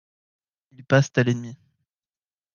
Ils passent à l'ennemi.